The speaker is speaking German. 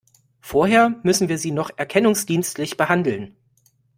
Vorher müssen wir Sie noch erkennungsdienstlich behandeln.